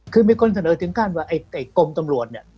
คือมีคนเสนอถึงขั้นว่าไอ้กรมตำรวจเนี่ย